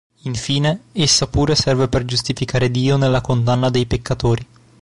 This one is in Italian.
Infine, essa pure serve per giustificare Dio nella condanna dei peccatori.